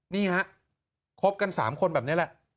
นี่ฮะคบกัน๓คนแบบนี้แหละ